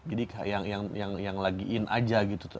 jadi yang lagi in aja gitu